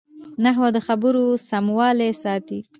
نحوه د خبرو سموالی ساتي.